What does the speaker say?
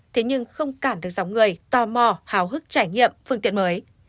thế nhưng không cản được dòng người tò mò hào hức trải nghiệm phương tiện mới